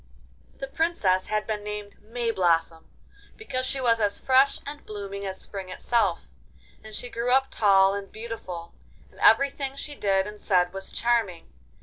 The Princess had been named Mayblossom, because she was as fresh and blooming as Spring itself, and she grew up tall and beautiful, and everything she did and said was charming.